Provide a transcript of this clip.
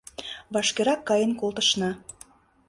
— Вашкерак каен колтышна.